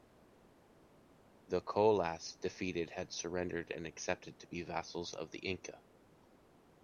The collas, defeated, had surrendered and accepted to be the vassals of the Inca.